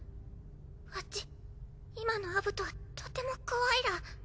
わっち今のアブトはとても怖いら。